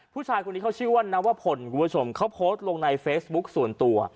ผู้ชายคนนี้เขาชื่อว่านวพลคุณผู้ชมเขาโพสต์ลงในเฟซบุ๊คส่วนตัว